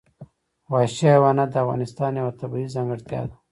وحشي حیوانات د افغانستان یوه طبیعي ځانګړتیا ده.